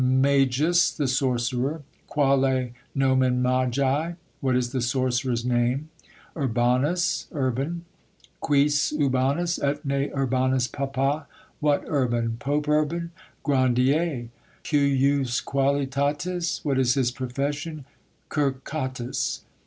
"Magus" (The sorcerer). "Quale nomen magi?" (What is the sorcerer's name?) "Urbanus" (Urban). "Quis Urbanus? Est ne Urbanus papa?" (What Urban? Pope Urban?) "Grandier." "Cujus qualitatis?" (What is his profession?) "Curcatus."